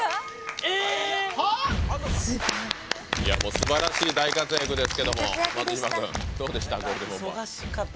すばらしい大活躍ですけれども松島君、どうでした？